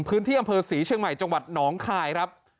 พื้นที่อำเภอศรีเชียงใหม่จังหวัดหนองคายครับ